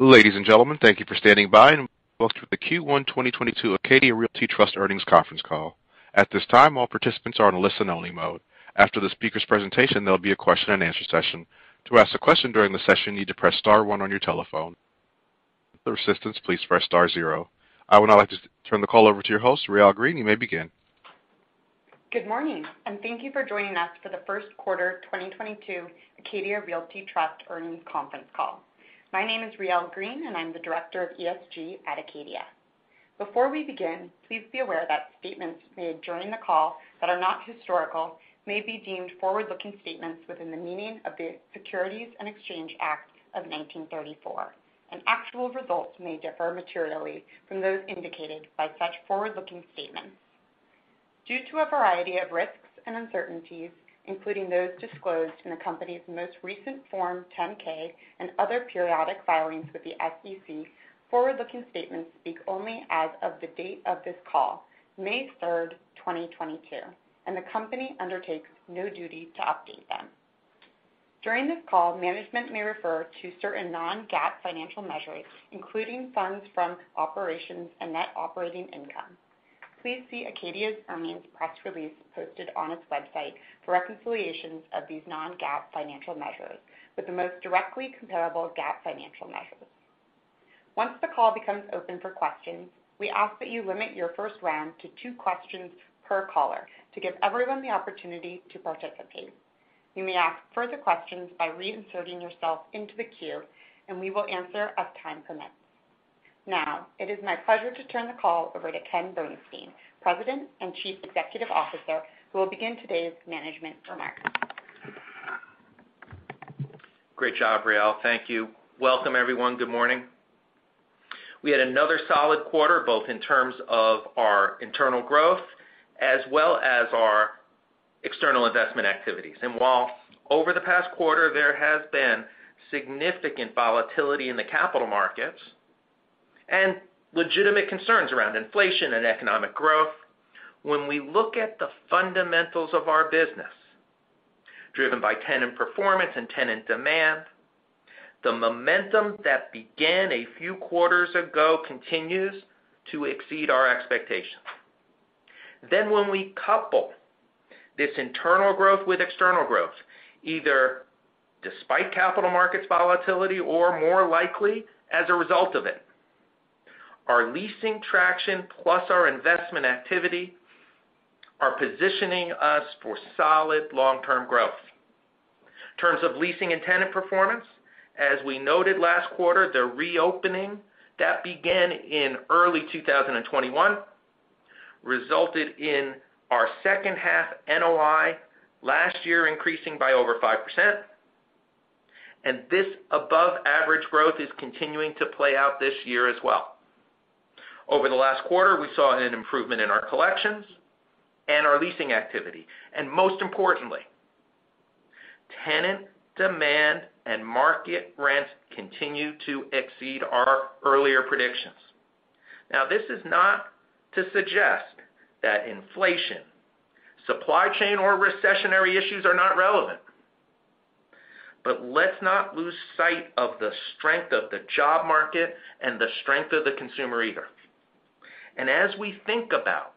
Ladies and gentlemen, thank you for standing by and welcome to the Q1 2022 Acadia Realty Trust earnings conference call. At this time, all participants are on a listen only mode. After the speaker's presentation, there'll be a question and answer session. To ask a question during the session, you need to press star one on your telephone. For assistance, please press star zero. I would now like to turn the call over to your host, Riel Green. You may begin. Good morning, and thank you for joining us for the first quarter 2022 Acadia Realty Trust earnings conference call. My name is Riel Green and I'm the director of ESG at Acadia. Before we begin, please be aware that statements made during the call that are not historical may be deemed forward-looking statements within the meaning of the Securities Exchange Act of 1934, and actual results may differ materially from those indicated by such forward-looking statements. Due to a variety of risks and uncertainties, including those disclosed in the company's most recent Form 10-K and other periodic filings with the SEC, forward-looking statements speak only as of the date of this call, May 3, 2022, and the company undertakes no duty to update them. During this call, management may refer to certain non-GAAP financial measures, including funds from operations and net operating income. Please see Acadia's earnings press release posted on its website for reconciliations of these non-GAAP financial measures with the most directly comparable GAAP financial measures. Once the call becomes open for questions, we ask that you limit your first round to two questions per caller to give everyone the opportunity to participate. You may ask further questions by reinserting yourself into the queue, and we will answer as time permits. Now, it is my pleasure to turn the call over to Ken Bernstein, President and Chief Executive Officer, who will begin today's management remarks. Great job, Riel. Thank you. Welcome, everyone. Good morning. We had another solid quarter, both in terms of our internal growth as well as our external investment activities. While over the past quarter, there has been significant volatility in the capital markets and legitimate concerns around inflation and economic growth, when we look at the fundamentals of our business, driven by tenant performance and tenant demand, the momentum that began a few quarters ago continues to exceed our expectations. When we couple this internal growth with external growth, either despite capital markets volatility or more likely as a result of it, our leasing traction plus our investment activity are positioning us for solid long-term growth. In terms of leasing and tenant performance, as we noted last quarter, the reopening that began in early 2021 resulted in our second half NOI last year increasing by over 5%, and this above average growth is continuing to play out this year as well. Over the last quarter, we saw an improvement in our collections and our leasing activity. Most importantly, tenant demand and market rents continue to exceed our earlier predictions. Now, this is not to suggest that inflation, supply chain or recessionary issues are not relevant. Let's not lose sight of the strength of the job market and the strength of the consumer either. As we think about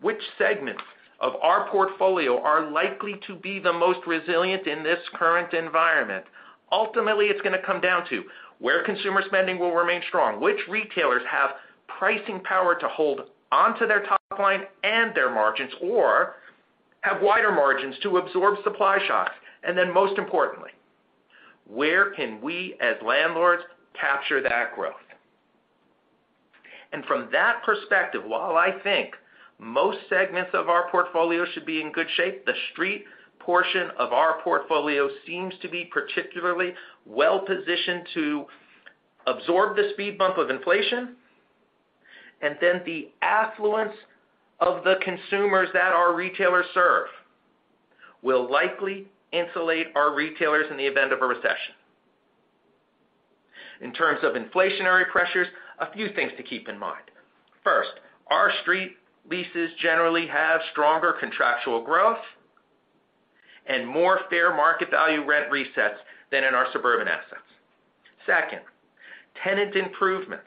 which segments of our portfolio are likely to be the most resilient in this current environment, ultimately it's going to come down to where consumer spending will remain strong, which retailers have pricing power to hold onto their top line and their margins, or have wider margins to absorb supply shocks. Most importantly, where can we as landlords capture that growth? From that perspective, while I think most segments of our portfolio should be in good shape, the street portion of our portfolio seems to be particularly well-positioned to absorb the speed bump of inflation. The affluence of the consumers that our retailers serve will likely insulate our retailers in the event of a recession. In terms of inflationary pressures, a few things to keep in mind. First, our street leases generally have stronger contractual growth and more fair market value rent resets than in our suburban assets. Second, tenant improvements,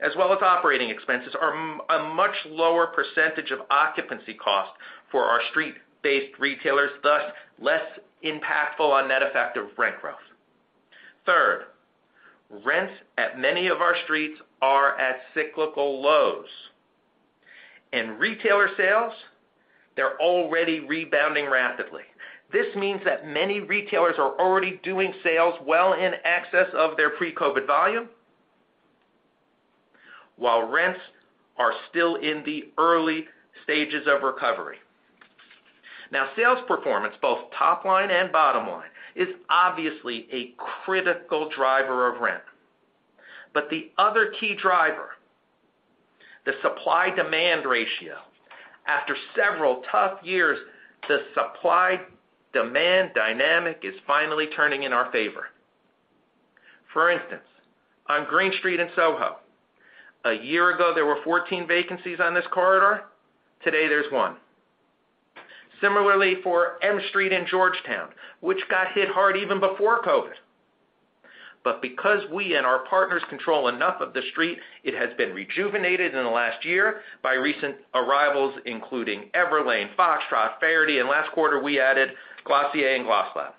as well as operating expenses, are a much lower percentage of occupancy cost for our street-based retailers, thus less impactful on net effect of rent growth. Third, rents at many of our streets are at cyclical lows. In retailer sales, they're already rebounding rapidly. This means that many retailers are already doing sales well in excess of their pre-COVID volume, while rents are still in the early stages of recovery. Now, sales performance, both top line and bottom line, is obviously a critical driver of rent. The other key driver, the supply-demand ratio. After several tough years, the supply-demand dynamic is finally turning in our favor. For instance, on Green Street in Soho, a year ago, there were 14 vacancies on this corridor. Today, there's one. Similarly for M Street in Georgetown, which got hit hard even before COVID. Because we and our partners control enough of the street, it has been rejuvenated in the last year by recent arrivals, including Everlane, Foxtrot, Faherty, and last quarter we added Glossier and GlossLab.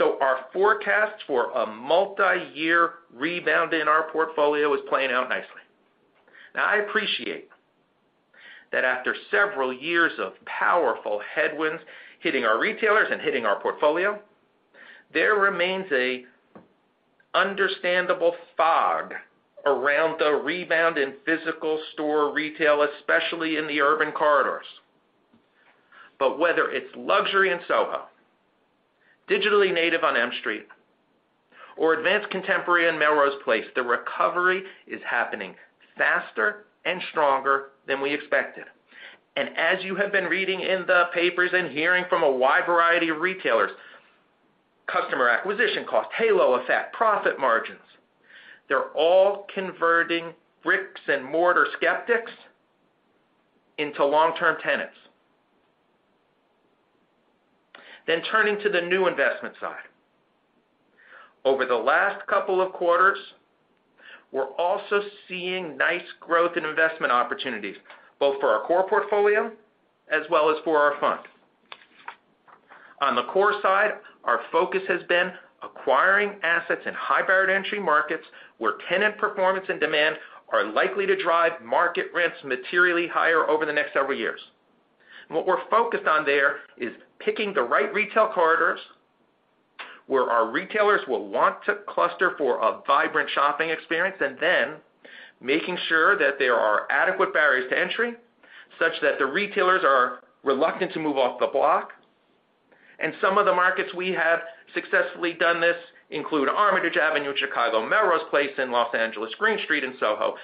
Our forecast for a multiyear rebound in our portfolio is playing out nicely. Now, I appreciate that after several years of powerful headwinds hitting our retailers and hitting our portfolio, there remains a understandable fog around the rebound in physical store retail, especially in the urban corridors. Whether it's luxury in SoHo, digitally native on M Street, or advanced contemporary in Melrose Place, the recovery is happening faster and stronger than we expected. As you have been reading in the papers and hearing from a wide variety of retailers, customer acquisition costs, halo effect, profit margins, they're all converting bricks and mortar skeptics into long-term tenants. Turning to the new investment side. Over the last couple of quarters, we're also seeing nice growth in investment opportunities, both for our core portfolio as well as for our fund. On the core side, our focus has been acquiring assets in high barrier to entry markets where tenant performance and demand are likely to drive market rents materially higher over the next several years. What we're focused on there is picking the right retail corridors where our retailers will want to cluster for a vibrant shopping experience, and then making sure that there are adequate barriers to entry such that the retailers are reluctant to move off the block. Some of the markets we have successfully done this include Armitage Avenue in Chicago, Melrose Place in Los Angeles, Green Street in SoHo,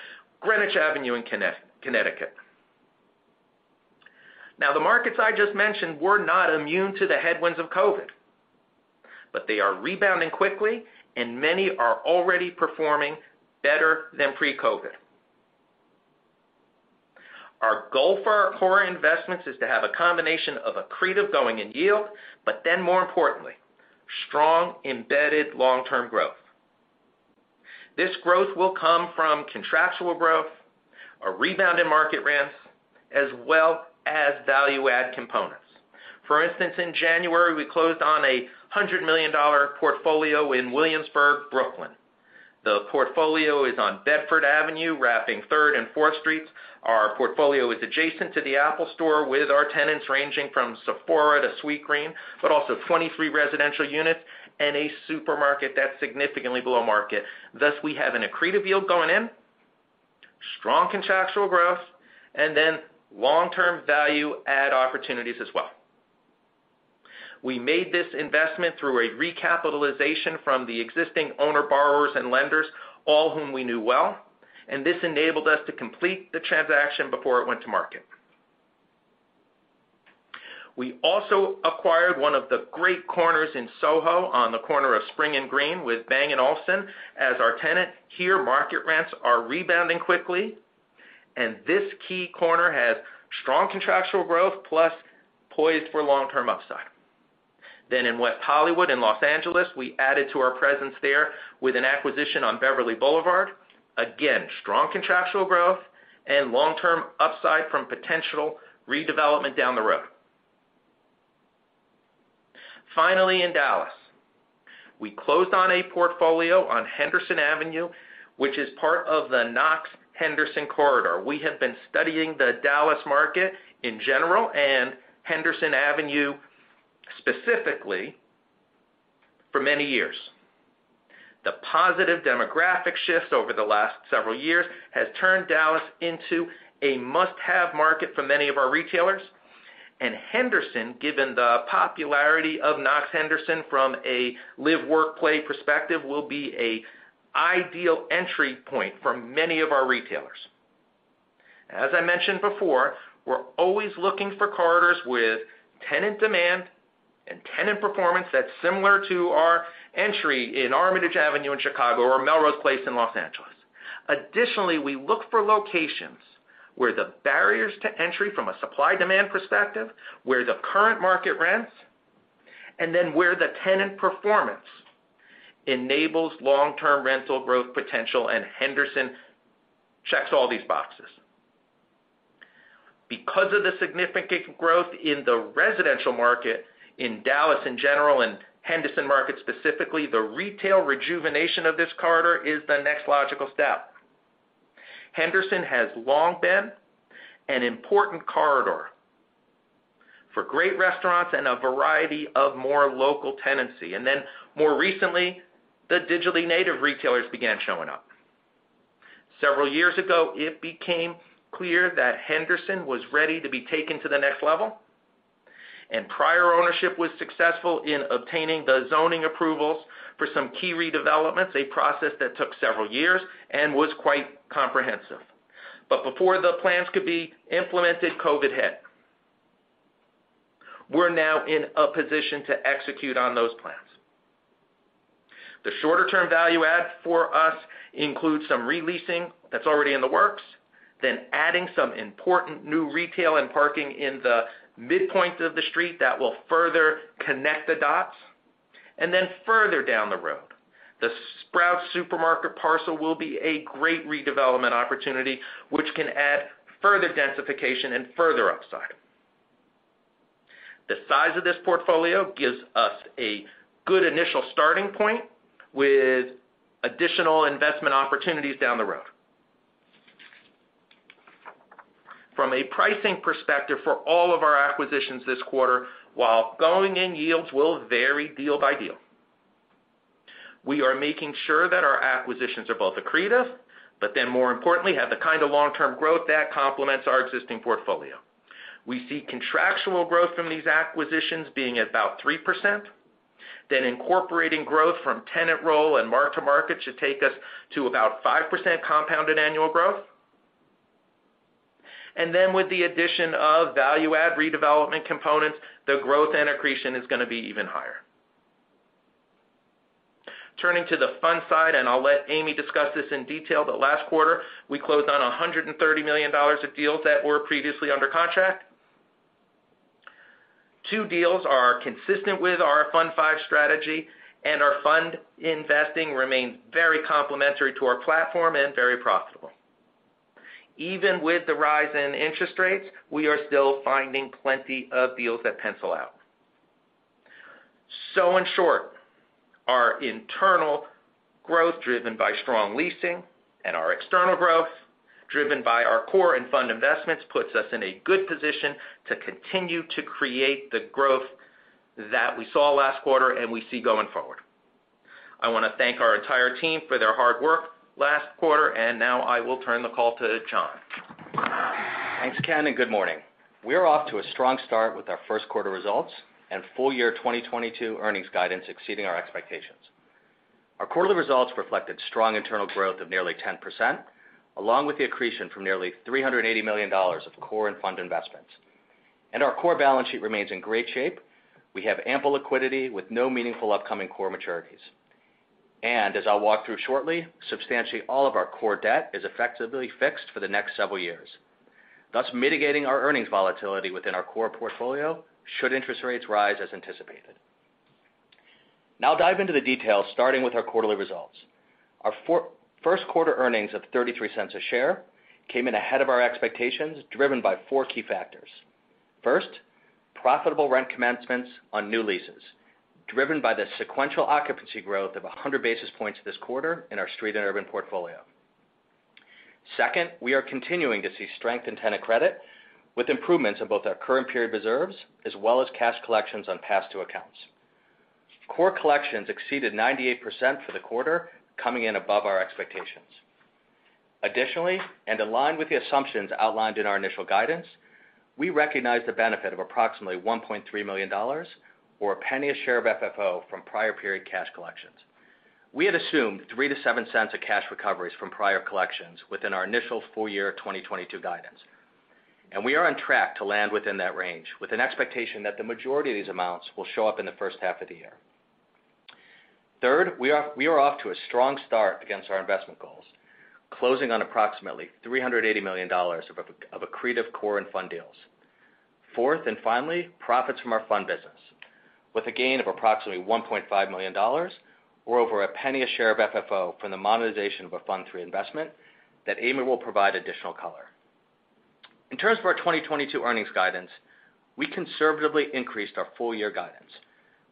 Greenwich Avenue in Connecticut. Now, the markets I just mentioned were not immune to the headwinds of COVID, but they are rebounding quickly, and many are already performing better than pre-COVID. Our goal for our core investments is to have a combination of accretive going-in yield, but then more importantly, strong embedded long-term growth. This growth will come from contractual growth, a rebound in market rents, as well as value add components. For instance, in January, we closed on a $100 million portfolio in Williamsburg, Brooklyn. The portfolio is on Bedford Avenue, wrapping Third and Fourth Streets. Our portfolio is adjacent to the Apple Store, with our tenants ranging from Sephora to Sweetgreen, but also 23 residential units and a supermarket that's significantly below market. Thus, we have an accretive yield going in, strong contractual growth, and then long-term value add opportunities as well. We made this investment through a recapitalization from the existing owner borrowers and lenders, all whom we knew well, and this enabled us to complete the transaction before it went to market. We also acquired one of the great corners in SoHo on the corner of Spring and Green with Bang & Olufsen as our tenant. Here, market rents are rebounding quickly, and this key corner has strong contractual growth plus poised for long-term upside. In West Hollywood in Los Angeles, we added to our presence there with an acquisition on Beverly Boulevard. Again, strong contractual growth and long-term upside from potential redevelopment down the road. Finally, in Dallas, we closed on a portfolio on Henderson Avenue, which is part of the Knox-Henderson corridor. We have been studying the Dallas market in general and Henderson Avenue specifically for many years. The positive demographic shift over the last several years has turned Dallas into a must-have market for many of our retailers. Henderson, given the popularity of Knox-Henderson from a live-work-play perspective, will be an ideal entry point for many of our retailers. As I mentioned before, we're always looking for corridors with tenant demand and tenant performance that's similar to our entry in Armitage Avenue in Chicago or Melrose Place in Los Angeles. Additionally, we look for locations where the barriers to entry from a supply-demand perspective, where the current market rents, and then where the tenant performance enables long-term rental growth potential, and Henderson checks all these boxes. Because of the significant growth in the residential market in Dallas in general and Henderson market specifically, the retail rejuvenation of this corridor is the next logical step. Henderson has long been an important corridor for great restaurants and a variety of more local tenancy. Then more recently, the digitally native retailers began showing up. Several years ago, it became clear that Henderson was ready to be taken to the next level, and prior ownership was successful in obtaining the zoning approvals for some key redevelopments, a process that took several years and was quite comprehensive. Before the plans could be implemented, COVID hit. We're now in a position to execute on those plans. The shorter-term value add for us includes some re-leasing that's already in the works, then adding some important new retail and parking in the midpoints of the street that will further connect the dots. Further down the road, the Sprouts Farmers Market parcel will be a great redevelopment opportunity, which can add further densification and further upside. The size of this portfolio gives us a good initial starting point with additional investment opportunities down the road. From a pricing perspective for all of our acquisitions this quarter, while going-in yields will vary deal by deal. We are making sure that our acquisitions are both accretive, but then more importantly, have the kind of long-term growth that complements our existing portfolio. We see contractual growth from these acquisitions being about 3%, then incorporating growth from tenant roll and mark-to-market should take us to about 5% compounded annual growth. With the addition of value add redevelopment components, the growth and accretion is gonna be even higher. Turning to the fund side, and I'll let Amy discuss this in detail, but last quarter, we closed on $130 million of deals that were previously under contract. Two deals are consistent with our Fund V strategy, and our fund investing remains very complementary to our platform and very profitable. Even with the rise in interest rates, we are still finding plenty of deals that pencil out. In short, our internal growth, driven by strong leasing, and our external growth, driven by our core and fund investments, puts us in a good position to continue to create the growth that we saw last quarter and we see going forward. I wanna thank our entire team for their hard work last quarter, and now I will turn the call to John. Thanks, Ken, and good morning. We're off to a strong start with our first quarter results and full year 2022 earnings guidance exceeding our expectations. Our quarterly results reflected strong internal growth of nearly 10%, along with the accretion from nearly $380 million of core and fund investments. Our core balance sheet remains in great shape. We have ample liquidity with no meaningful upcoming core maturities. As I'll walk through shortly, substantially all of our core debt is effectively fixed for the next several years, thus mitigating our earnings volatility within our core portfolio should interest rates rise as anticipated. Now I'll dive into the details, starting with our quarterly results. Our first quarter earnings of $0.33 a share came in ahead of our expectations, driven by four key factors. First, profitable rent commencements on new leases, driven by the sequential occupancy growth of 100 basis points this quarter in our street and urban portfolio. Second, we are continuing to see strength in tenant credit, with improvements in both our current period reserves as well as cash collections on past due accounts. Core collections exceeded 98% for the quarter, coming in above our expectations. Additionally, and aligned with the assumptions outlined in our initial guidance, we recognize the benefit of approximately $1.3 million or $0.01 per share of FFO from prior period cash collections. We had assumed 3-7 cents of cash recoveries from prior collections within our initial full-year 2022 guidance, and we are on track to land within that range with an expectation that the majority of these amounts will show up in the first half of the year. Third, we are off to a strong start against our investment goals, closing on approximately $380 million of accretive core and fund deals. Fourth, and finally, profits from our fund business, with a gain of approximately $1.5 million or over a penny a share of FFO from the monetization of a Fund III investment that Amy will provide additional color. In terms of our 2022 earnings guidance, we conservatively increased our full year guidance,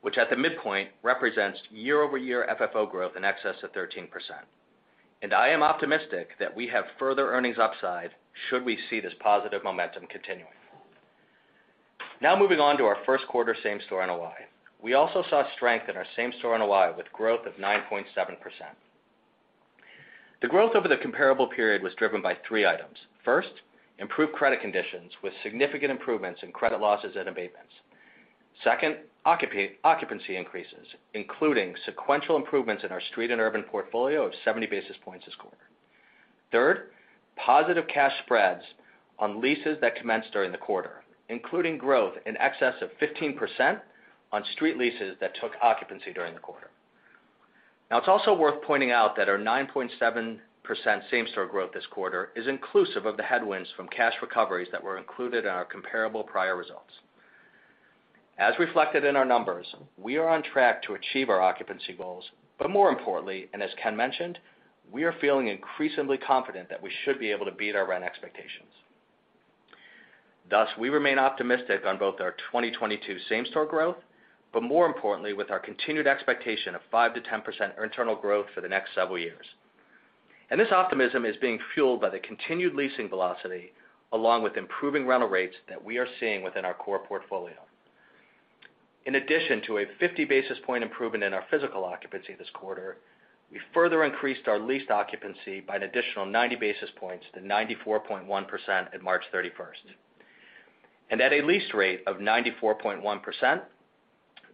which at the midpoint represents year-over-year FFO growth in excess of 13%. I am optimistic that we have further earnings upside should we see this positive momentum continuing. Now moving on to our first quarter same store NOI. We also saw strength in our same store NOI with growth of 9.7%. The growth over the comparable period was driven by three items. First, improved credit conditions with significant improvements in credit losses and abatements. Second, occupancy increases, including sequential improvements in our street and urban portfolio of 70 basis points this quarter. Third, positive cash spreads on leases that commenced during the quarter, including growth in excess of 15% on street leases that took occupancy during the quarter. Now it's also worth pointing out that our 9.7% same store growth this quarter is inclusive of the headwinds from cash recoveries that were included in our comparable prior results. As reflected in our numbers, we are on track to achieve our occupancy goals, but more importantly, and as Ken mentioned, we are feeling increasingly confident that we should be able to beat our rent expectations. Thus, we remain optimistic on both our 2022 same store growth, but more importantly, with our continued expectation of 5%-10% internal growth for the next several years. This optimism is being fueled by the continued leasing velocity along with improving rental rates that we are seeing within our core portfolio. In addition to a 50 basis point improvement in our physical occupancy this quarter, we further increased our leased occupancy by an additional 90 basis points to 94.1% at March 31st. At a lease rate of 94.1%,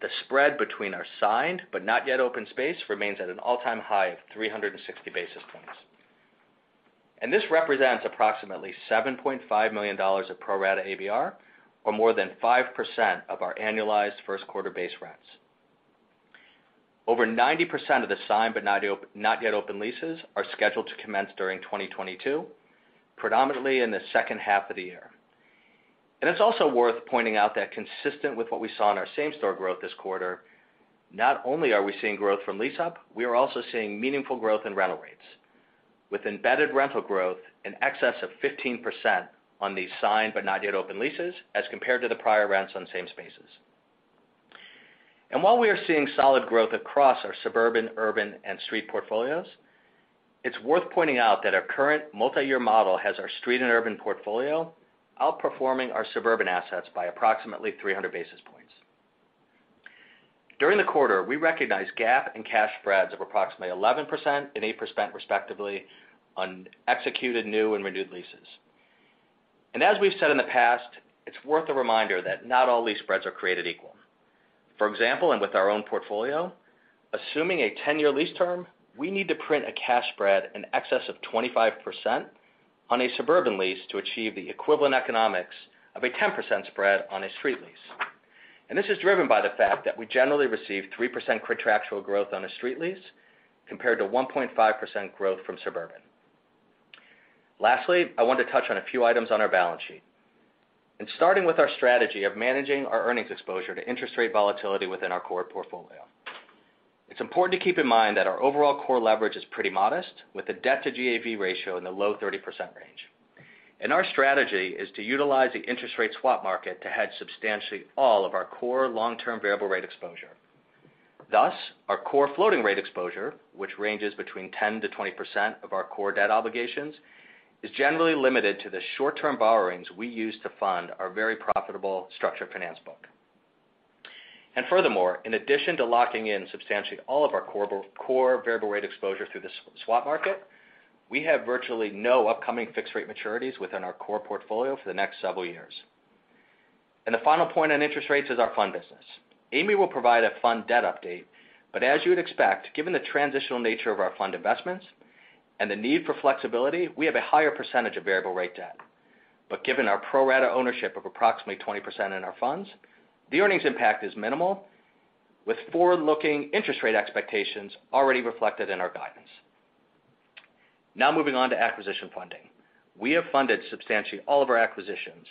the spread between our signed but not yet open space remains at an all-time high of 360 basis points. This represents approximately $7.5 million of pro rata ABR, or more than 5% of our annualized first quarter base rents. Over 90% of the signed but not yet open leases are scheduled to commence during 2022, predominantly in the second half of the year. It's also worth pointing out that consistent with what we saw in our same-store growth this quarter, not only are we seeing growth from lease-up, we are also seeing meaningful growth in rental rates, with embedded rental growth in excess of 15% on these signed but not yet open leases as compared to the prior rents on the same spaces. While we are seeing solid growth across our suburban, urban, and street portfolios, it's worth pointing out that our current multi-year model has our street and urban portfolio outperforming our suburban assets by approximately 300 basis points. During the quarter, we recognized GAAP and cash spreads of approximately 11% and 8% respectively on executed new and renewed leases. As we've said in the past, it's worth a reminder that not all lease spreads are created equal. For example, and with our own portfolio, assuming a 10-year lease term, we need to print a cash spread in excess of 25% on a suburban lease to achieve the equivalent economics of a 10% spread on a street lease. This is driven by the fact that we generally receive 3% contractual growth on a street lease compared to 1.5% growth from suburban. Lastly, I want to touch on a few items on our balance sheet. Starting with our strategy of managing our earnings exposure to interest rate volatility within our core portfolio. It's important to keep in mind that our overall core leverage is pretty modest, with a debt-to-GAV ratio in the low 30% range. Our strategy is to utilize the interest rate swap market to hedge substantially all of our core long-term variable rate exposure. Thus, our core floating rate exposure, which ranges between 10%-20% of our core debt obligations, is generally limited to the short-term borrowings we use to fund our very profitable structured finance book. Furthermore, in addition to locking in substantially all of our core variable rate exposure through the swap market, we have virtually no upcoming fixed rate maturities within our core portfolio for the next several years. The final point on interest rates is our fund business. Amy will provide a fund debt update, but as you would expect, given the transitional nature of our fund investments and the need for flexibility, we have a higher percentage of variable rate debt. Given our pro rata ownership of approximately 20% in our funds, the earnings impact is minimal, with forward-looking interest rate expectations already reflected in our guidance. Now moving on to acquisition funding. We have funded substantially all of our acquisitions,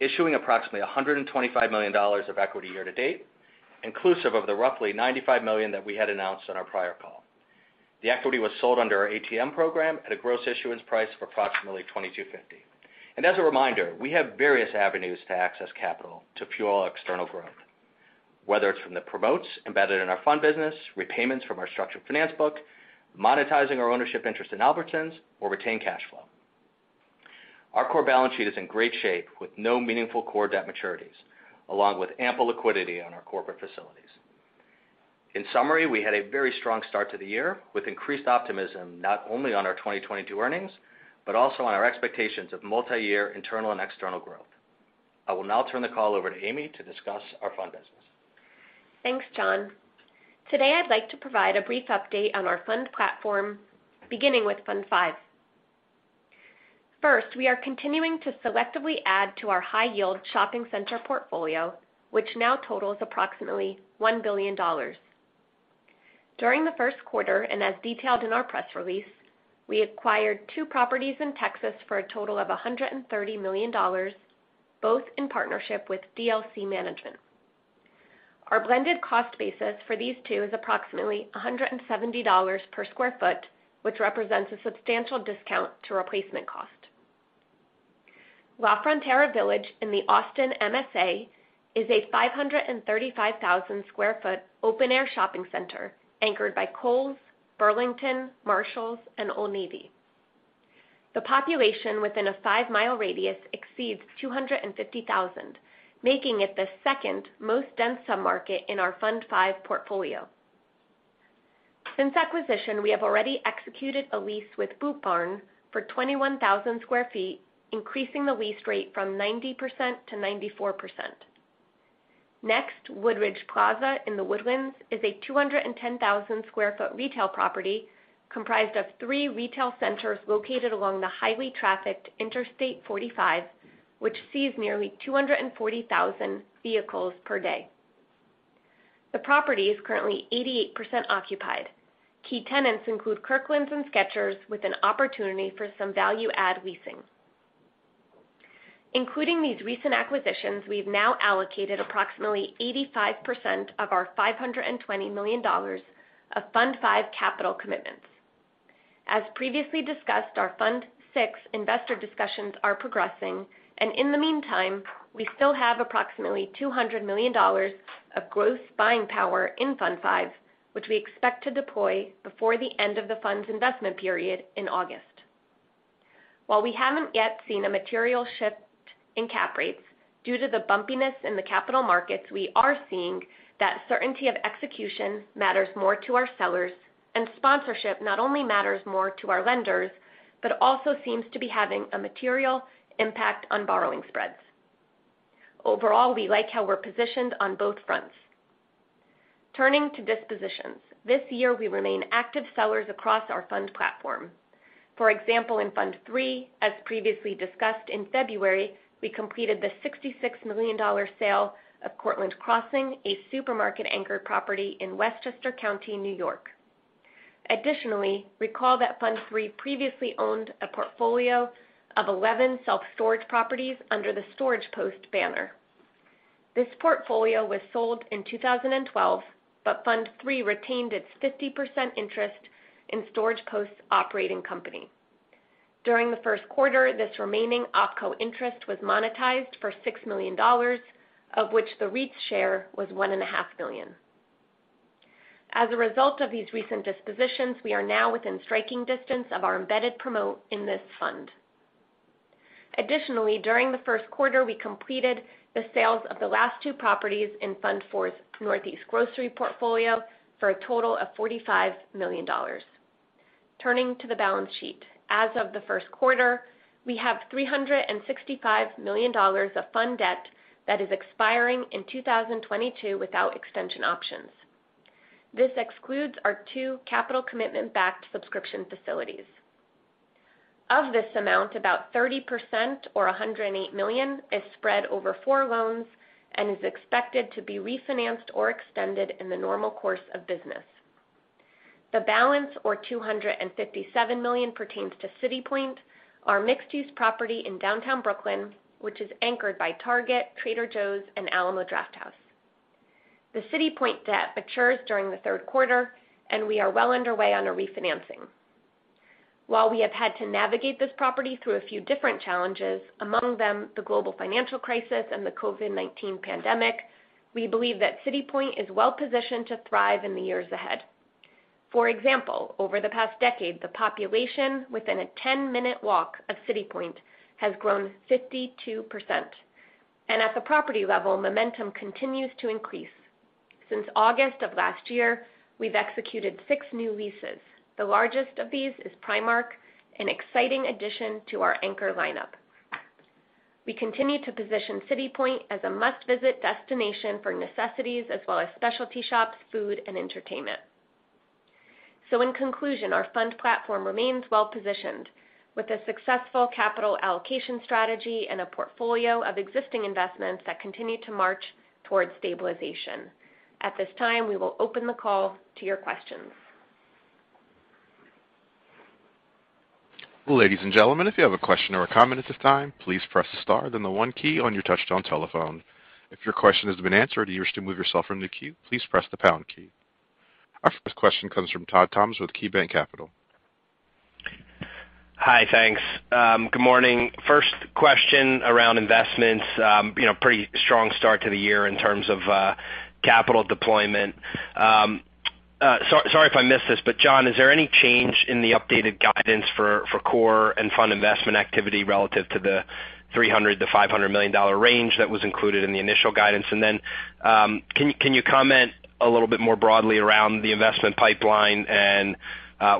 issuing approximately $125 million of equity year to date, inclusive of the roughly $95 million that we had announced on our prior call. The equity was sold under our ATM program at a gross issuance price of approximately $22.50. As a reminder, we have various avenues to access capital to fuel external growth, whether it's from the promotes embedded in our fund business, repayments from our structured finance book, monetizing our ownership interest in Albertsons, or retain cash flow. Our core balance sheet is in great shape with no meaningful core debt maturities, along with ample liquidity on our corporate facilities. In summary, we had a very strong start to the year with increased optimism not only on our 2022 earnings, but also on our expectations of multiyear internal and external growth. I will now turn the call over to Amy to discuss our fund business. Thanks, John. Today, I'd like to provide a brief update on our fund platform, beginning with Fund V. First, we are continuing to selectively add to our high-yield shopping center portfolio, which now totals approximately $1 billion. During the first quarter, and as detailed in our press release, we acquired two properties in Texas for a total of $130 million, both in partnership with DLC Management. Our blended cost basis for these two is approximately $170 per sq ft, which represents a substantial discount to replacement cost. La Frontera Village in the Austin MSA is a 535,000 sq ft open-air shopping center anchored by Kohl's, Burlington, Marshalls, and Old Navy. The population within a five-mile radius exceeds 250,000, making it the second most dense submarket in our Fund V portfolio. Since acquisition, we have already executed a lease with Boot Barn for 21,000 sq ft, increasing the lease rate from 90% to 94%. Next, Wood Ridge Plaza in The Woodlands is a 210,000 sq ft retail property comprised of three retail centers located along the highly trafficked Interstate 45, which sees nearly 240,000 vehicles per day. The property is currently 88% occupied. Key tenants include Kirkland's and Skechers, with an opportunity for some value add leasing. Including these recent acquisitions, we've now allocated approximately 85% of our $520 million of Fund V capital commitments. As previously discussed, our Fund VI investor discussions are progressing, and in the meantime, we still have approximately $200 million of gross buying power in Fund V, which we expect to deploy before the end of the fund's investment period in August. While we haven't yet seen a material shift in cap rates due to the bumpiness in the capital markets, we are seeing that certainty of execution matters more to our sellers, and sponsorship not only matters more to our lenders, but also seems to be having a material impact on borrowing spreads. Overall, we like how we're positioned on both fronts. Turning to dispositions. This year, we remain active sellers across our fund platform. For example, in Fund III, as previously discussed, in February, we completed the $66 million sale of Cortlandt Crossing, a supermarket-anchored property in Westchester County, New York. Additionally, recall that Fund III previously owned a portfolio of 11 self-storage properties under the StoragePost banner. This portfolio was sold in 2012, but Fund III retained its 50% interest in StoragePost's operating company. During the first quarter, this remaining opco interest was monetized for $6 million, of which the REIT's share was $1.5 million. As a result of these recent dispositions, we are now within striking distance of our embedded promote in this fund. Additionally, during the first quarter, we completed the sales of the last two properties in Fund IV's Northeast Grocery portfolio for a total of $45 million. Turning to the balance sheet. As of the first quarter, we have $365 million of fund debt that is expiring in 2022 without extension options. This excludes our two capital commitment-backed subscription facilities. Of this amount, about 30% or $108 million is spread over four loans and is expected to be refinanced or extended in the normal course of business. The balance or $257 million pertains to City Point, our mixed-use property in downtown Brooklyn, which is anchored by Target, Trader Joe's, and Alamo Drafthouse. The City Point debt matures during the third quarter, and we are well underway on a refinancing. While we have had to navigate this property through a few different challenges, among them the global financial crisis and the COVID-19 pandemic, we believe that City Point is well-positioned to thrive in the years ahead. For example, over the past decade, the population within a 10-minute walk of City Point has grown 52%. At the property level, momentum continues to increase. Since August of last year, we've executed six new leases. The largest of these is Primark, an exciting addition to our anchor lineup. We continue to position City Point as a must-visit destination for necessities as well as specialty shops, food, and entertainment. In conclusion, our fund platform remains well-positioned with a successful capital allocation strategy and a portfolio of existing investments that continue to march towards stabilization. At this time, we will open the call to your questions. Ladies and gentlemen, if you have a question or a comment at this time, please press star then the one key on your touchtone telephone. If your question has been answered or you wish to remove yourself from the queue, please press the pound key. Our first question comes from Todd Thomas with KeyBanc Capital Markets. Hi. Thanks. Good morning. First question around investments. You know, pretty strong start to the year in terms of capital deployment. Sorry if I missed this, but John, is there any change in the updated guidance for core and fund investment activity relative to the $300 million-$500 million range that was included in the initial guidance? Can you comment a little bit more broadly around the investment pipeline and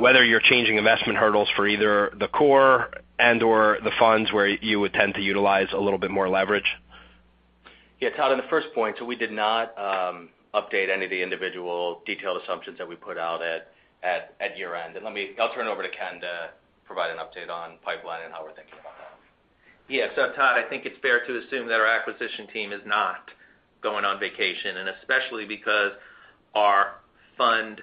whether you're changing investment hurdles for either the core and/or the funds where you would tend to utilize a little bit more leverage? Yeah. Todd, on the first point, so we did not update any of the individual detailed assumptions that we put out at year-end. I'll turn over to Ken to provide an update on pipeline and how we're thinking about that. Yeah. Todd, I think it's fair to assume that our acquisition team is not going on vacation. Especially because our fund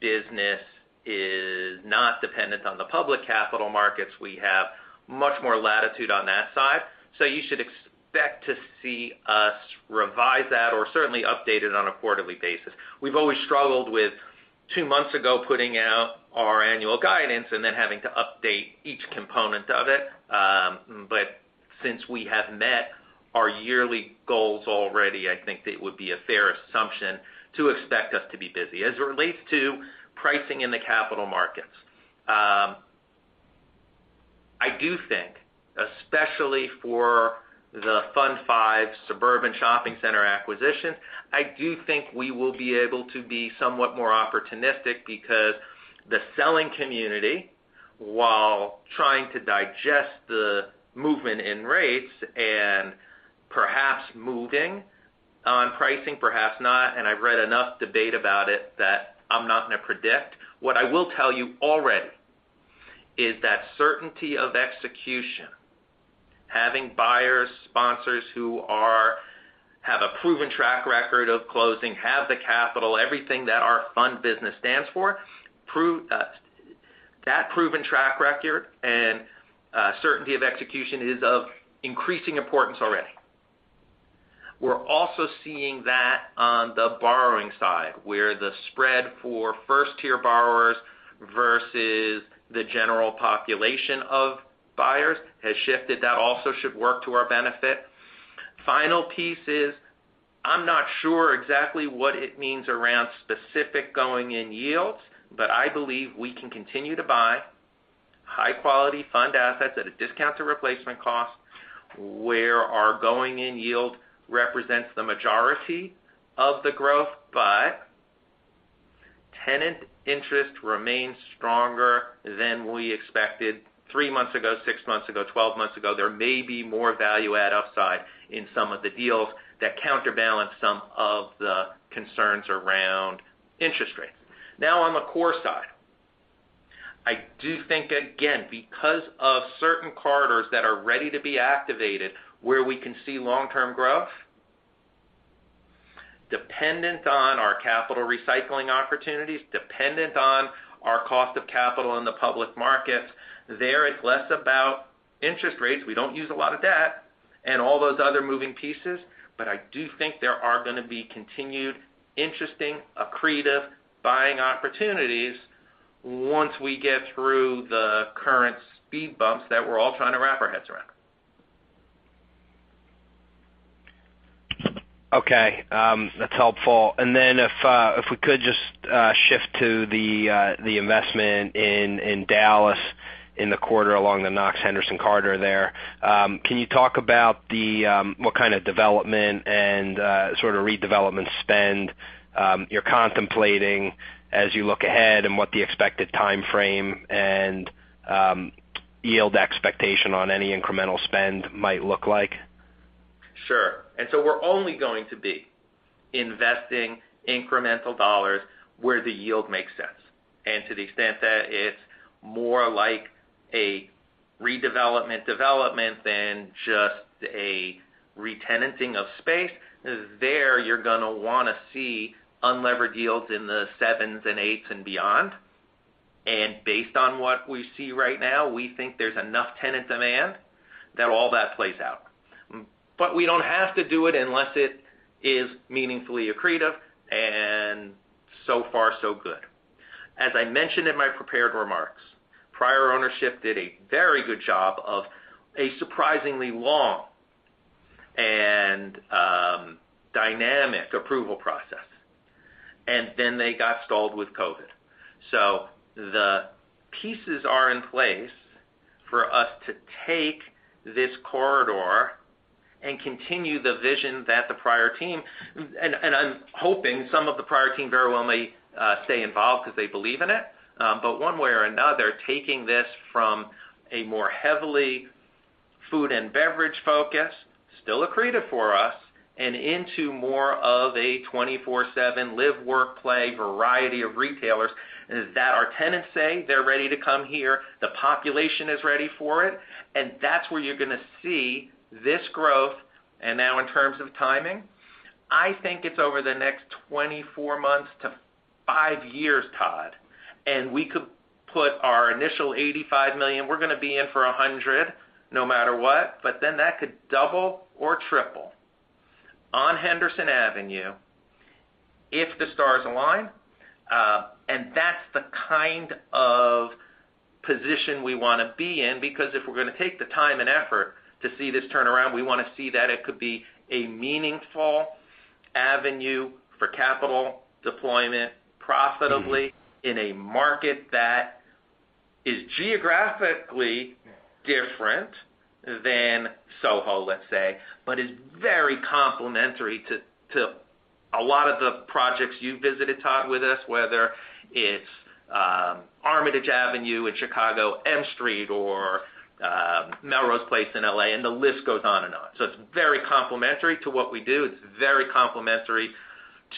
business is not dependent on the public capital markets, we have much more latitude on that side. You should expect to see us revise that or certainly update it on a quarterly basis. We've always struggled with two months ago, putting out our annual guidance and then having to update each component of it. Since we have met our yearly goals already, I think it would be a fair assumption to expect us to be busy. As it relates to pricing in the capital markets, I do think, especially for the Fund V suburban shopping center acquisition, I do think we will be able to be somewhat more opportunistic because the selling community, while trying to digest the movement in rates and perhaps moving on pricing, perhaps not, and I've read enough debate about it that I'm not going to predict. What I will tell you already is that certainty of execution, having buyers, sponsors who have a proven track record of closing, have the capital, everything that our fund business stands for, that proven track record and certainty of execution is of increasing importance already. We're also seeing that on the borrowing side, where the spread for first-tier borrowers versus the general population of buyers has shifted. That also should work to our benefit. Final piece is, I'm not sure exactly what it means around specific going-in yields, but I believe we can continue to buy high-quality fund assets at a discount to replacement cost, where our going-in yield represents the majority of the growth, but tenant interest remains stronger than we expected three months ago, six months ago, 12 months ago. There may be more value add upside in some of the deals that counterbalance some of the concerns around interest rates. Now, on the core side, I do think, again, because of certain corridors that are ready to be activated where we can see long-term growth, dependent on our capital recycling opportunities, dependent on our cost of capital in the public markets, there it's less about interest rates. We don't use a lot of debt and all those other moving pieces, but I do think there are gonna be continued interesting, accretive buying opportunities once we get through the current speed bumps that we're all trying to wrap our heads around. Okay. That's helpful. If we could just shift to the investment in Dallas in the quarter along the Knox-Henderson corridor there. Can you talk about what kind of development and sort of redevelopment spend you're contemplating as you look ahead and what the expected timeframe and yield expectation on any incremental spend might look like? Sure. We're only going to be investing incremental dollars where the yield makes sense. To the extent that it's more like a redevelopment than just a retenanting of space, there you're gonna wanna see unlevered yields in the 7%-8% and beyond. Based on what we see right now, we think there's enough tenant demand that all that plays out. We don't have to do it unless it is meaningfully accretive, and so far so good. As I mentioned in my prepared remarks, prior ownership did a very good job of a surprisingly long and dynamic approval process. They got stalled with COVID. The pieces are in place for us to take this corridor and continue the vision that the prior team. I'm hoping some of the prior team very well may stay involved 'cause they believe in it. One way or another, taking this from a more heavily food and beverage focus, still accretive for us, and into more of a 24/7 live-work-play variety of retailers, is that our tenants say they're ready to come here, the population is ready for it, and that's where you're gonna see this growth. Now in terms of timing, I think it's over the next 24 months to five years, Todd. We could put our initial $85 million. We're gonna be in for $100 million no matter what, but then that could double or triple on Henderson Avenue if the stars align. That's the kind of position we wanna be in because if we're gonna take the time and effort to see this turnaround, we wanna see that it could be a meaningful avenue for capital deployment profitably in a market that is geographically different than SoHo, let's say, but is very complementary to a lot of the projects you visited, Todd, with us, whether it's Armitage Avenue in Chicago, M Street, or Melrose Place in L.A., and the list goes on and on. It's very complementary to what we do. It's very complementary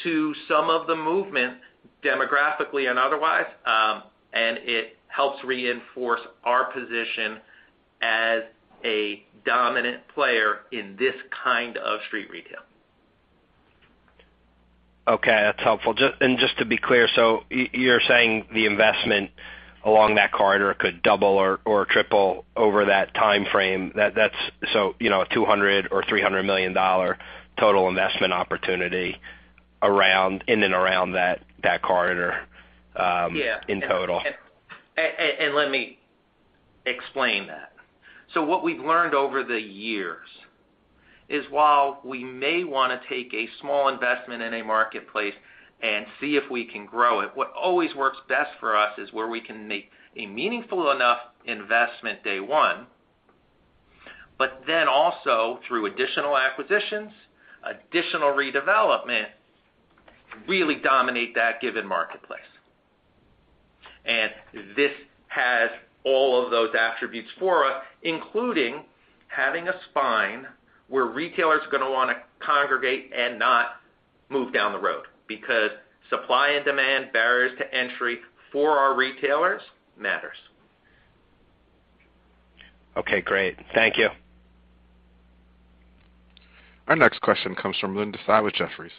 to some of the movement demographically and otherwise, and it helps reinforce our position as a dominant player in this kind of street retail. Okay. That's helpful. Just to be clear, you're saying the investment along that corridor could double or triple over that timeframe. That's so, you know, $200 million or $300 million total investment opportunity in and around that corridor. Yeah. in total. Let me explain that. What we've learned over the years is while we may wanna take a small investment in a marketplace and see if we can grow it, what always works best for us is where we can make a meaningful enough investment day one, but then also through additional acquisitions, additional redevelopment, really dominate that given marketplace. This has all of those attributes for us, including having a spine where retailers are gonna wanna congregate and not move down the road because supply and demand, barriers to entry for our retailers matters. Okay, great. Thank you. Our next question comes from Linda Tsai with Jefferies.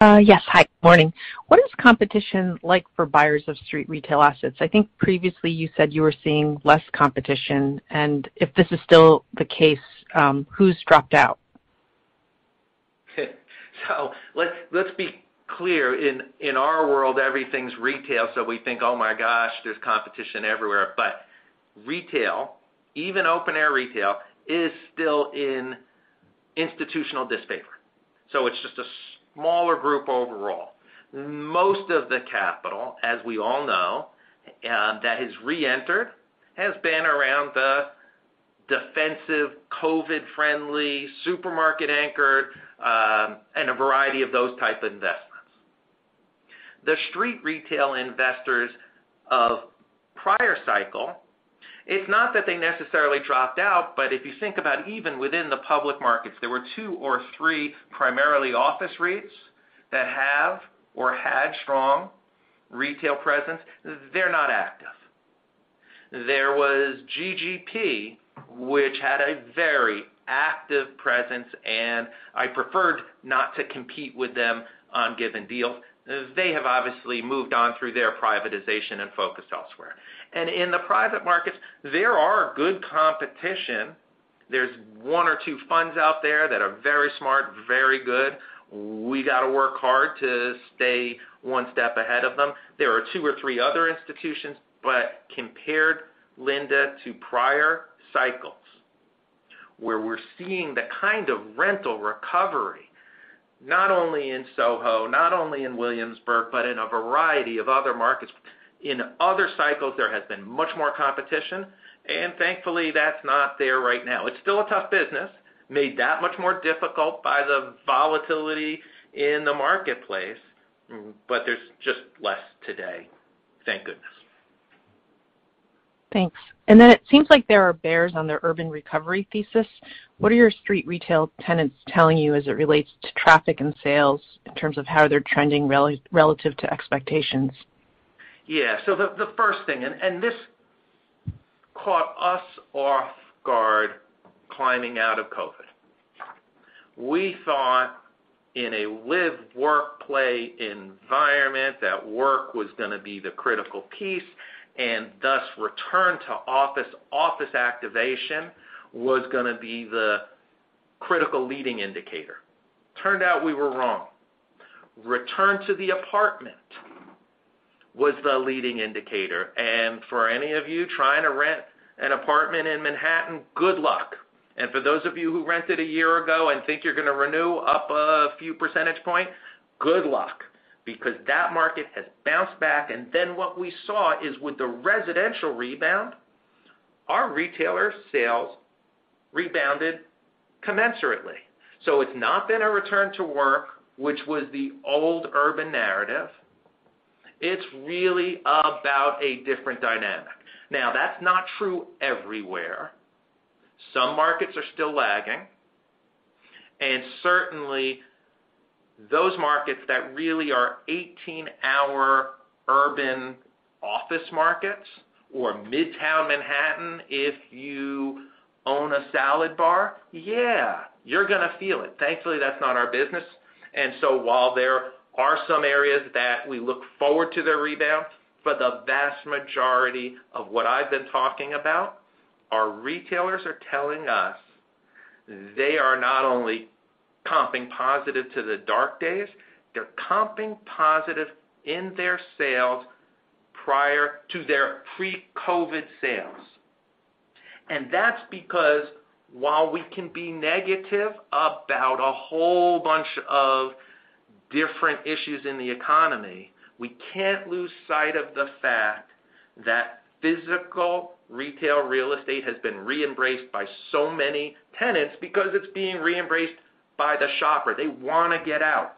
Yes. Hi. Morning. What is competition like for buyers of street retail assets? I think previously you said you were seeing less competition, and if this is still the case, who's dropped out? Let's be clear. In our world, everything's retail, so we think, oh my gosh, there's competition everywhere. Retail, even open air retail, is still in institutional disfavor, so it's just a smaller group overall. Most of the capital, as we all know, that has reentered, has been around the COVID-friendly, supermarket anchored, and a variety of those type investments. The street retail investors of prior cycle, it's not that they necessarily dropped out, but if you think about even within the public markets, there were two or three primarily office REITs that have or had strong retail presence. They're not active. There was GGP, which had a very active presence, and I preferred not to compete with them on given deals. They have obviously moved on through their privatization and focus elsewhere. In the private markets, there are good competition. There's one or two funds out there that are very smart, very good. We got to work hard to stay one step ahead of them. There are two or three other institutions, but compared, Linda, to prior cycles, where we're seeing the kind of rental recovery, not only in SoHo, not only in Williamsburg, but in a variety of other markets. In other cycles, there has been much more competition, and thankfully, that's not there right now. It's still a tough business, made that much more difficult by the volatility in the marketplace, but there's just less today, thank goodness. Thanks. It seems like there are bears on their urban recovery thesis. What are your street retail tenants telling you as it relates to traffic and sales in terms of how they're trending relative to expectations? Yeah. The first thing, this caught us off guard climbing out of COVID. We thought in a live work play environment that work was gonna be the critical piece, and thus return to office. Office activation was gonna be the critical leading indicator. Turned out we were wrong. Return to the apartment was the leading indicator. For any of you trying to rent an apartment in Manhattan, good luck. For those of you who rented a year ago and think you're gonna renew up a few percentage point, good luck because that market has bounced back, and then what we saw is with the residential rebound, our retailer sales rebounded commensurately. It's not been a return to work, which was the old urban narrative. It's really about a different dynamic. Now, that's not true everywhere. Some markets are still lagging. Certainly, those markets that really are 18-hour urban office markets or Midtown Manhattan, if you own a salad bar, yeah, you're gonna feel it. Thankfully, that's not our business. While there are some areas that we look forward to their rebound, for the vast majority of what I've been talking about, our retailers are telling us they are not only comping positive to the dark days, they're comping positive in their sales prior to their pre-COVID sales. That's because while we can be negative about a whole bunch of different issues in the economy, we can't lose sight of the fact that physical retail real estate has been re-embraced by so many tenants because it's being re-embraced by the shopper. They wanna get out,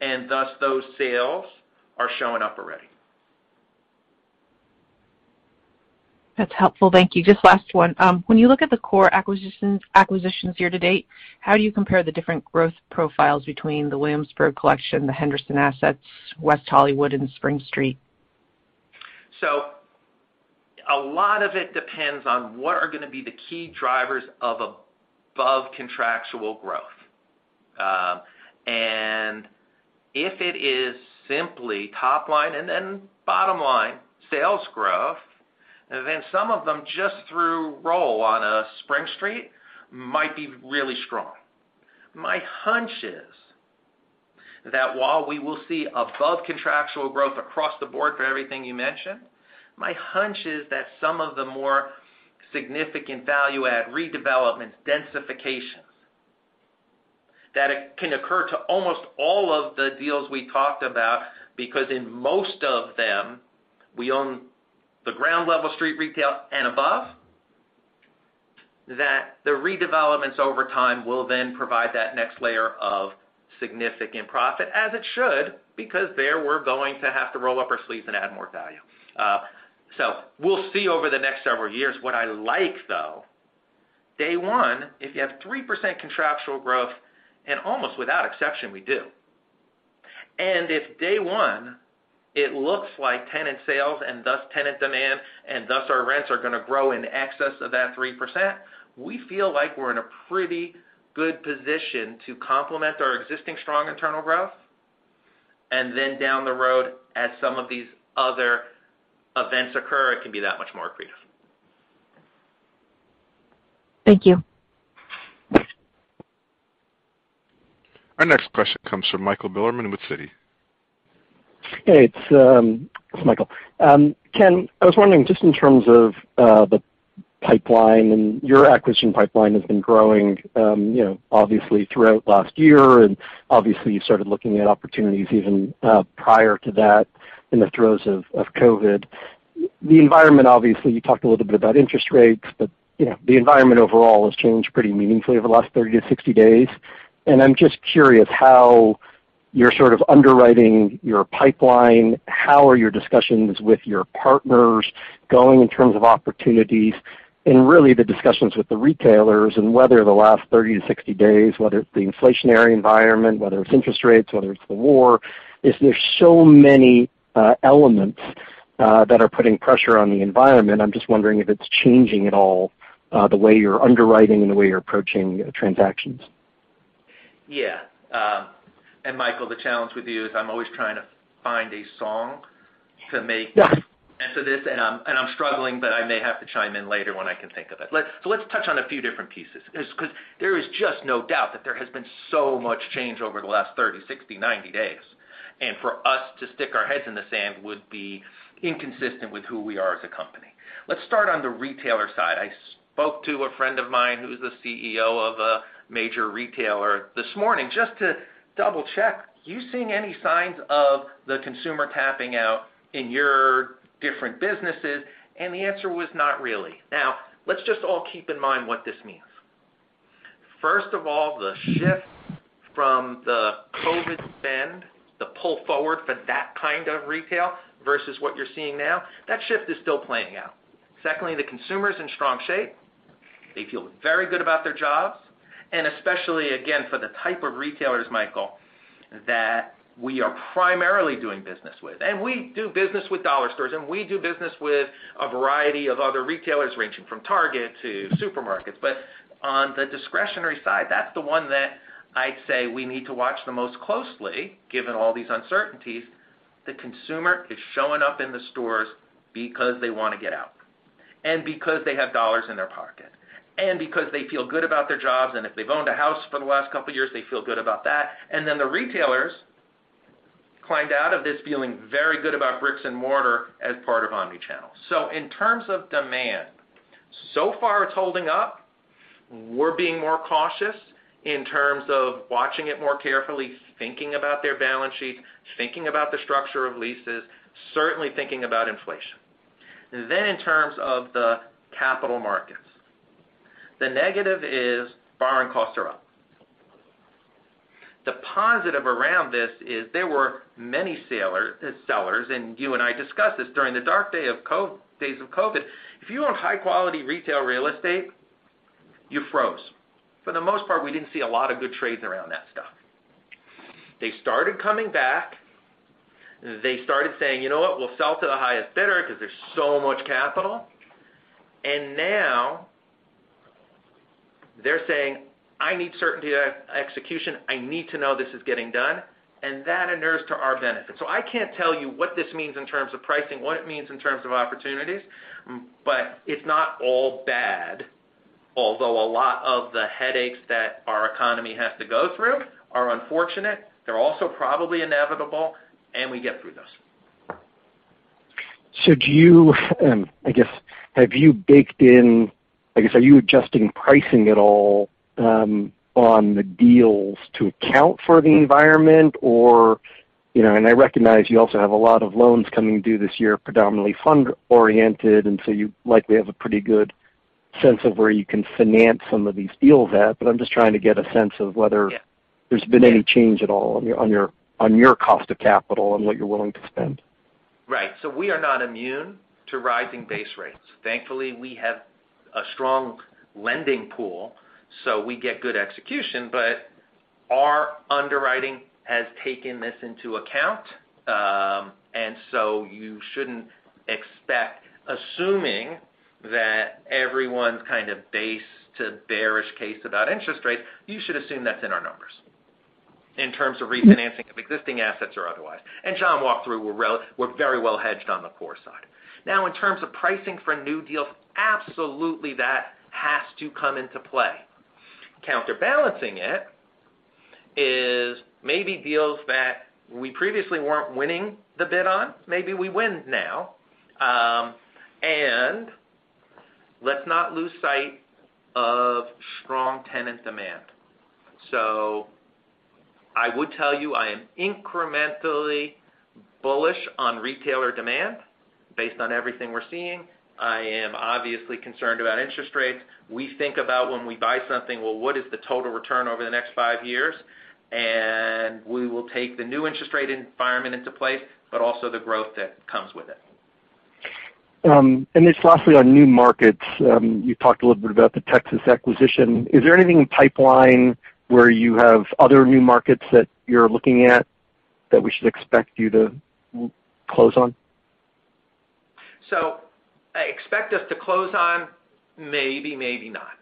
and thus, those sales are showing up already. That's helpful. Thank you. Just last one. When you look at the core acquisitions year-to-date, how do you compare the different growth profiles between the Williamsburg collection, the Henderson assets, West Hollywood, and Spring Street? A lot of it depends on what are gonna be the key drivers of above contractual growth. If it is simply top line and then bottom line sales growth, then some of them just through rollover and Green Street might be really strong. My hunch is that while we will see above contractual growth across the board for everything you mentioned, my hunch is that some of the more significant value-add redevelopment densifications that can occur to almost all of the deals we talked about because in most of them, we own the ground level street retail and above, that the redevelopments over time will then provide that next layer of significant profit, as it should, because there we're going to have to roll up our sleeves and add more value. We'll see over the next several years. What I like, though, day one, if you have 3% contractual growth, and almost without exception, we do. If day one, it looks like tenant sales and thus tenant demand and thus our rents are gonna grow in excess of that 3%, we feel like we're in a pretty good position to complement our existing strong internal growth. Then down the road as some of these other events occur, it can be that much more accretive. Thank you. Our next question comes from Mailman with Citi. Hey, it's Michael. Ken, I was wondering just in terms of the pipeline, and your acquisition pipeline has been growing, you know, obviously throughout last year, and obviously you started looking at opportunities even prior to that in the throes of COVID. The environment, obviously, you talked a little bit about interest rates, but, you know, the environment overall has changed pretty meaningfully over the last 30-60 days. I'm just curious how you're sort of underwriting your pipeline, how are your discussions with your partners going in terms of opportunities, and really the discussions with the retailers, and whether the last 30-60 days, whether it's the inflationary environment, whether it's interest rates, whether it's the war, is there's so many elements that are putting pressure on the environment. I'm just wondering if it's changing at all, the way you're underwriting and the way you're approaching transactions. Michael, the challenge with you is I'm always trying to find a song to make. Yeah... answer this, and I'm struggling, but I may have to chime in later when I can think of it. Let's touch on a few different pieces. Just 'cause there is just no doubt that there has been so much change over the last 30, 60, 90 days, and for us to stick our heads in the sand would be inconsistent with who we are as a company. Let's start on the retailer side. I spoke to a friend of mine who's the CEO of a major retailer this morning just to double-check, are you seeing any signs of the consumer tapping out in your different businesses? The answer was not really. Now, let's just all keep in mind what this means. First of all, the shift from the COVID spend, the pull forward for that kind of retail versus what you're seeing now, that shift is still playing out. Secondly, the consumer is in strong shape. They feel very good about their jobs, and especially, again, for the type of retailers, Michael, that we are primarily doing business with. We do business with dollar stores, and we do business with a variety of other retailers, ranging from Target to supermarkets. On the discretionary side, that's the one that I'd say we need to watch the most closely, given all these uncertainties. The consumer is showing up in the stores because they wanna get out, and because they have dollars in their pocket, and because they feel good about their jobs, and if they've owned a house for the last couple years, they feel good about that. The retailers climbed out of this feeling very good about bricks and mortar as part of omni-channel. In terms of demand, so far it's holding up. We're being more cautious in terms of watching it more carefully, thinking about their balance sheets, thinking about the structure of leases, certainly thinking about inflation. In terms of the capital markets, the negative is borrowing costs are up. The positive around this is there were many sellers, and you and I discussed this during the dark days of COVID. If you own high-quality retail real estate, you froze. For the most part, we didn't see a lot of good trades around that stuff. They started coming back. They started saying, "You know what? We'll sell to the highest bidder 'cause there's so much capital." Now they're saying, "I need certainty of execution. I need to know this is getting done," and that inures to our benefit. I can't tell you what this means in terms of pricing, what it means in terms of opportunities, but it's not all bad. Although a lot of the headaches that our economy has to go through are unfortunate, they're also probably inevitable, and we get through those. I guess, are you adjusting pricing at all on the deals to account for the environment? Or, you know, and I recognize you also have a lot of loans coming due this year, predominantly fund-oriented, and so you likely have a pretty good sense of where you can finance some of these deals at, but I'm just trying to get a sense of whether, there's been any change at all on your cost of capital and what you're willing to spend? Right. We are not immune to rising base rates. Thankfully, we have a strong lending pool, so we get good execution. Our underwriting has taken this into account, and so you shouldn't expect. Assuming that everyone's kind of base to bearish case about interest rates, you should assume that's in our numbers in terms of refinancing of existing assets or otherwise. John walked through we're very well hedged on the core side. Now, in terms of pricing for new deals, absolutely that has to come into play. Counterbalancing it is maybe deals that we previously weren't winning the bid on, maybe we win now. Let's not lose sight of strong tenant demand. I would tell you, I am incrementally bullish on retailer demand based on everything we're seeing. I am obviously concerned about interest rates. We think about when we buy something, well, what is the total return over the next five years? We will take the new interest rate environment into place, but also the growth that comes with it. Just lastly on new markets, you talked a little bit about the Texas acquisition. Is there anything in pipeline where you have other new markets that you're looking at that we should expect you to close on? Expect us to close on? Maybe, maybe not.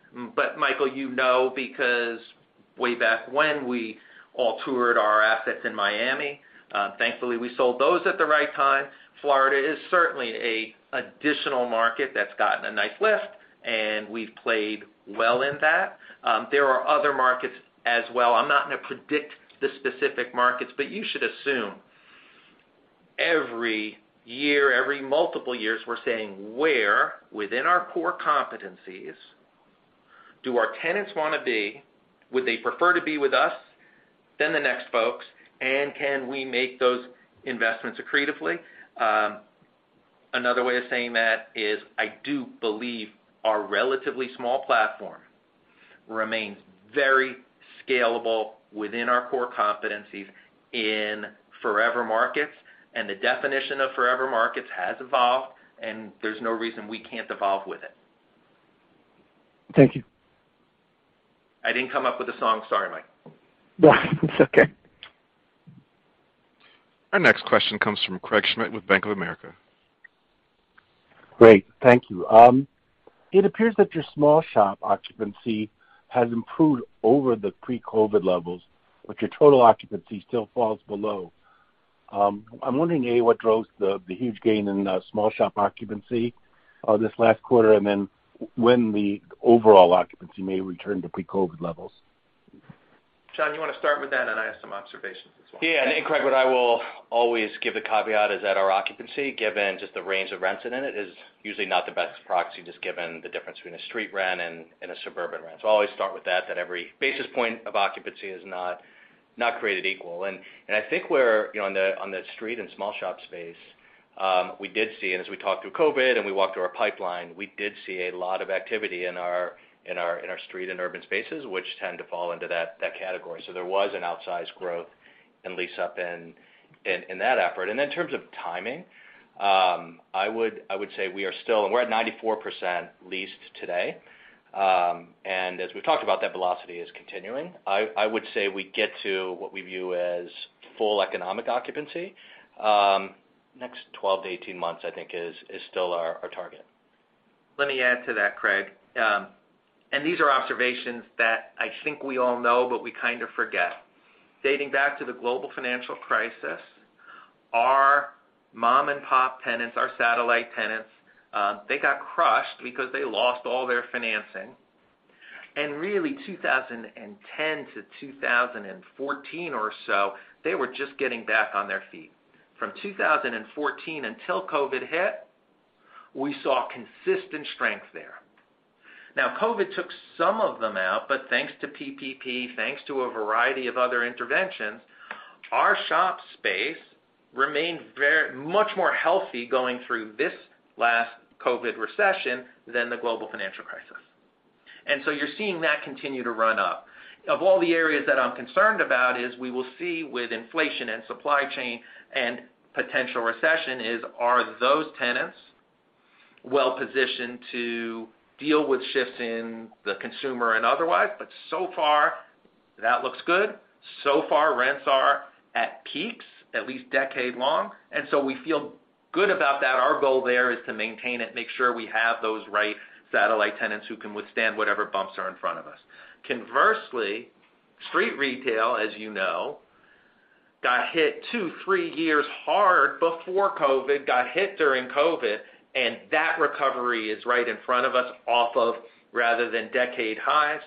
Michael, you know, because way back when, we all toured our assets in Miami, thankfully we sold those at the right time. Florida is certainly an additional market that's gotten a nice lift, and we've played well in that. There are other markets as well. I'm not gonna predict the specific markets, but you should assume every year, every multiple years, we're saying where within our core competencies do our tenants wanna be, would they prefer to be with us than the next folks, and can we make those investments accretively? Another way of saying that is I do believe our relatively small platform remains very scalable within our core competencies in forever markets, and the definition of forever markets has evolved, and there's no reason we can't evolve with it. Thank you. I didn't come up with the song. Sorry, Mike. It's okay. Our next question comes from Craig Schmidt with Bank of America. Great. Thank you. It appears that your small shop occupancy has improved over the pre-COVID levels, but your total occupancy still falls below. I'm wondering, A, what drove the huge gain in small shop occupancy this last quarter, and then when the overall occupancy may return to pre-COVID levels? John, you wanna start with that, and I have some observations as well. Yeah. Craig, what I will always give the caveat is that our occupancy, given just the range of rents in it, is usually not the best proxy, just given the difference between a street rent and a suburban rent. I always start with that every basis point of occupancy is not created equal. I think we're, you know, on the street and small shop space, we did see, and as we talked through COVID and we walked through our pipeline, we did see a lot of activity in our street and urban spaces, which tend to fall into that category. There was an outsized growth in lease up in that effort. In terms of timing, I would say we're at 94% leased today. As we've talked about, that velocity is continuing. I would say we get to what we view as full economic occupancy next 12-18 months. I think is still our target. Let me add to that, Craig. These are observations that I think we all know, but we kind of forget. Dating back to the global financial crisis, our mom-and-pop tenants, our satellite tenants, they got crushed because they lost all their financing. Really, 2010 to 2014 or so, they were just getting back on their feet. From 2014 until COVID hit, we saw consistent strength there. Now, COVID took some of them out, but thanks to PPP, thanks to a variety of other interventions, our shop space remained very much more healthy going through this last COVID recession than the global financial crisis. You're seeing that continue to run up. Of all the areas that I'm concerned about is we will see with inflation and supply chain and potential recession is, are those tenants well-positioned to deal with shifts in the consumer and otherwise? So far, that looks good. So far, rents are at peaks, at least decade long, and so we feel good about that. Our goal there is to maintain it, make sure we have those right satellite tenants who can withstand whatever bumps are in front of us. Conversely, street retail, as you know, got hit two, three years hard before COVID, got hit during COVID, and that recovery is right in front of us off of rather than decade highs,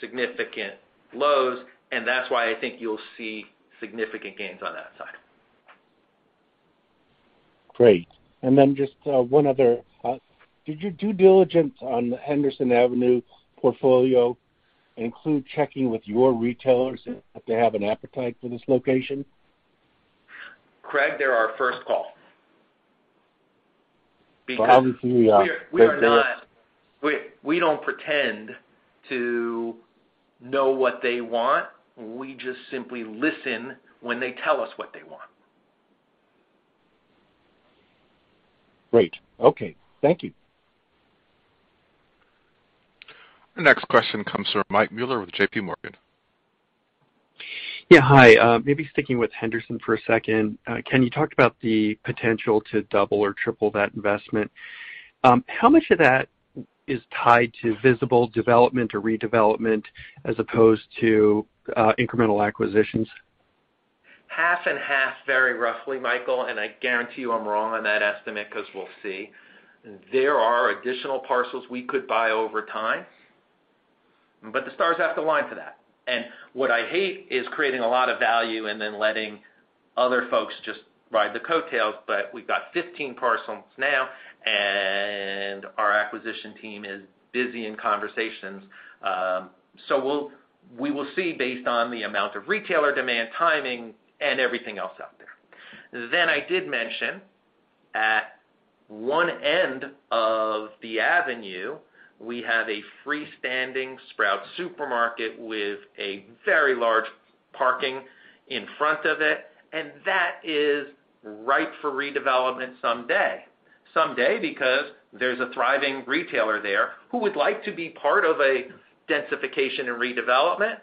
significant lows, and that's why I think you'll see significant gains on that side. Great. Just one other. Did your due diligence on the Henderson Avenue portfolio include checking with your retailers if they have an appetite for this location? Craig, they're our first call. Obviously, they're We don't pretend to know what they want. We just simply listen when they tell us what they want. Great. Okay. Thank you. Our next question comes from Mike Mueller with J.P. Morgan. Yeah. Hi. Maybe sticking with Henderson for a second. Ken, you talked about the potential to double or triple that investment. How much of that is tied to visible development or redevelopment as opposed to incremental acquisitions? Half and half, very roughly, Michael, and I guarantee you I'm wrong on that estimate, 'cause we'll see. There are additional parcels we could buy over time, but the stars have to align for that. What I hate is creating a lot of value and then letting other folks just ride the coattails, but we've got 15 parcels now, and our acquisition team is busy in conversations. So we'll see based on the amount of retailer demand, timing, and everything else out there. I did mention, at one end of the avenue, we have a freestanding Sprouts supermarket with a very large parking in front of it, and that is ripe for redevelopment someday. Someday because there's a thriving retailer there who would like to be part of a densification and redevelopment,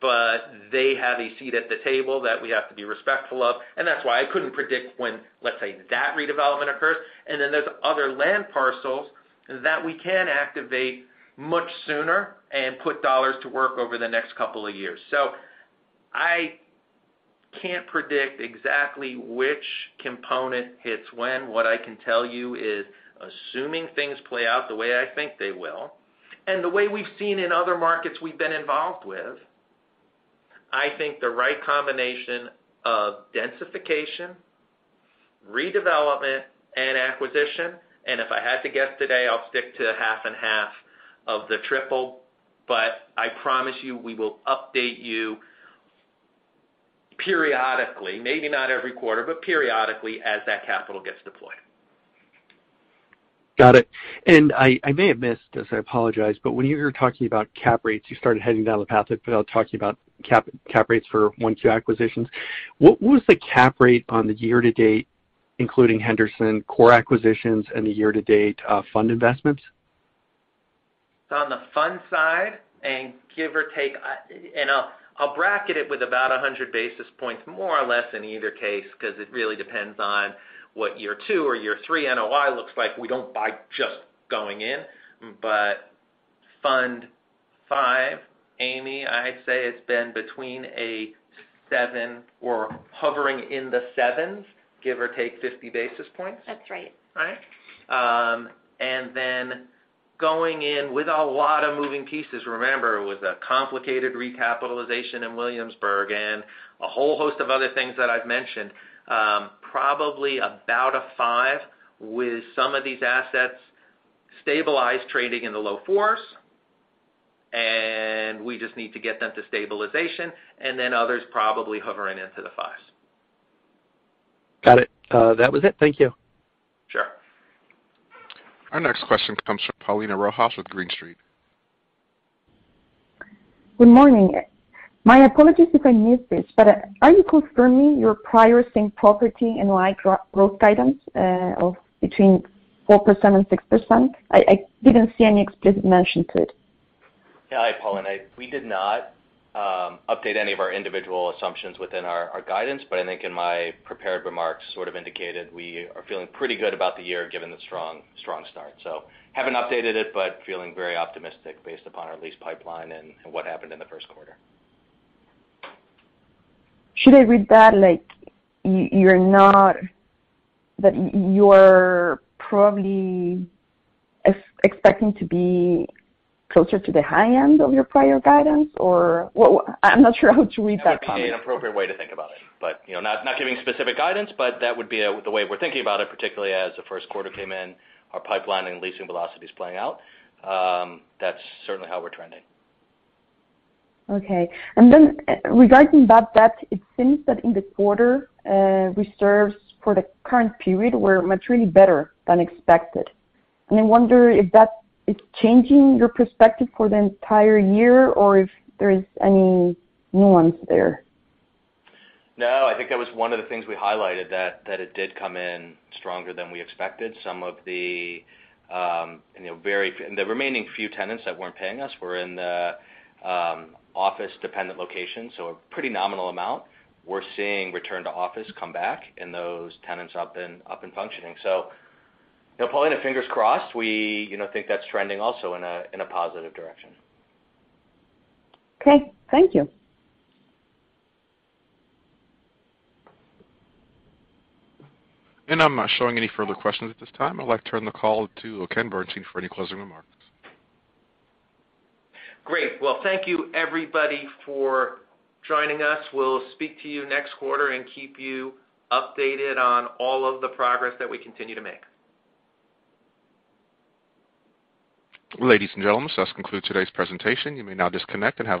but they have a seat at the table that we have to be respectful of, and that's why I couldn't predict when, let's say, that redevelopment occurs. Then there's other land parcels that we can activate much sooner and put dollars to work over the next couple of years. I can't predict exactly which component hits when. What I can tell you is, assuming things play out the way I think they will, and the way we've seen in other markets we've been involved with. I think the right combination of densification, redevelopment, and acquisition. If I had to guess today, I'll stick to half and half of the triple. I promise you, we will update you periodically, maybe not every quarter, but periodically as that capital gets deployed. Got it. I may have missed this, I apologize, but when you were talking about cap rates, you started heading down the path without talking about cap rates for one to two acquisitions. What was the cap rate on the year to date, including Henderson core acquisitions and the year-to-date fund investments? On the fund side, and give or take, and I'll bracket it with about 100 basis points more or less in either case, 'cause it really depends on what year two or year three NOI looks like. We don't buy just going in, but Fund V, Amy, I'd say it's been between 7% or hovering in the 7s, give or take 50 basis points. That's right. Going in with a lot of moving pieces. Remember, it was a complicated recapitalization in Williamsburg and a whole host of other things that I've mentioned, probably about a five with some of these assets stabilized trading in the low 4s, and we just need to get them to stabilization, and then others probably hovering into the 5s. Got it. That was it. Thank you. Sure. Our next question comes from Paulina Rojas with Green Street. Good morning. My apologies if I missed this, but are you confirming your prior same property NOI growth items of between 4% and 6%? I didn't see any explicit mention to it. Yeah. Hi, Paulina. We did not update any of our individual assumptions within our guidance, but I think in my prepared remarks sort of indicated we are feeling pretty good about the year given the strong start. Haven't updated it, but feeling very optimistic based upon our lease pipeline and what happened in the first quarter. Should I read that that you're probably expecting to be closer to the high end of your prior guidance? Or what, I'm not sure how to read that comment. That would be an appropriate way to think about it. You know, not giving specific guidance, but that would be the way we're thinking about it, particularly as the first quarter came in, our pipeline and leasing velocity is playing out. That's certainly how we're trending. Okay. Regarding bad debt, it seems that in the quarter, reserves for the current period were much really better than expected. I wonder if that is changing your perspective for the entire year or if there is any nuance there? No, I think that was one of the things we highlighted that it did come in stronger than we expected. Some of the, you know, the remaining few tenants that weren't paying us were in the office-dependent location, so a pretty nominal amount. We're seeing return to office come back and those tenants up and functioning. You know, Paulina, fingers crossed. We, you know, think that's trending also in a positive direction. Okay. Thank you. I'm not showing any further questions at this time. I'd like to turn the call to Ken Bernstein for any closing remarks. Great. Well, thank you everybody for joining us. We'll speak to you next quarter and keep you updated on all of the progress that we continue to make. Ladies and gentlemen, this concludes today's presentation. You may now disconnect and have a great day.